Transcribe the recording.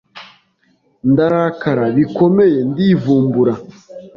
ndarakara bikomeye, ndivumbura,